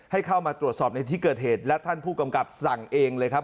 ให้เข้ามาตรวจสอบในที่เกิดเหตุและท่านผู้กำกับสั่งเองเลยครับ